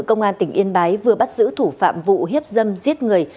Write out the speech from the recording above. công an tỉnh yên bái vừa bắt giữ thủ phạm vụ hiếp dâm giết người